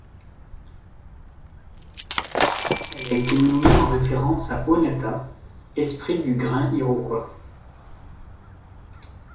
Elle a été nommée en référence à Onatah, Esprit du grain Iroquois.